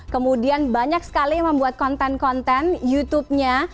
kemudian banyak sekali yang membuat konten konten youtubenya